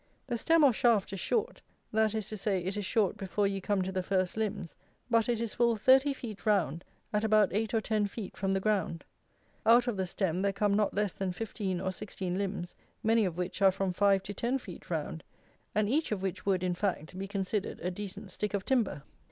The stem or shaft is short; that is to say, it is short before you come to the first limbs; but it is full thirty feet round, at about eight or ten feet from the ground. Out of the stem there come not less than fifteen or sixteen limbs, many of which are from five to ten feet round, and each of which would, in fact, be considered a decent stick of timber.